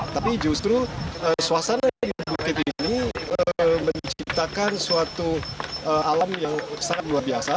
tapi justru suasana di bukit ini menciptakan suatu alam yang sangat luar biasa